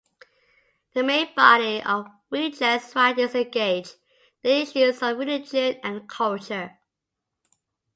The main body of Weigel's writings engage the issues of religion and culture.